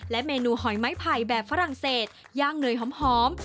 เมนูหอยไม้ไผ่แบบฝรั่งเศสย่างเนยหอม